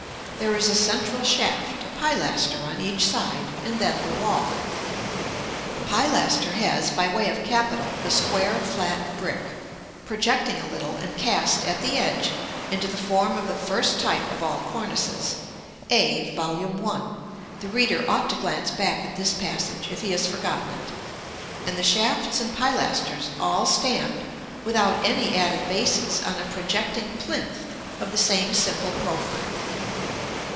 There is a central shaft, a pilaster on each side, and then the wall. The pilaster has, by way of capital, a square flat brick, projecting a little, and cast, at the edge, into the form of the first type of all cornices (a, p. 63, Vol. I.; the reader ought to glance back at this passage, if he has forgotten it); and the shafts and pilasters all stand, without any added bases, on a projecting plinth of the same simple profile.